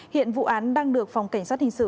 hiện vụ án đang được phòng cảnh sát hình sự